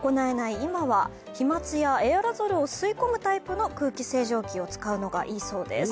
今は飛まつやエアロゾルを吸い込むタイプの空気清浄機を使うのがいいそうです。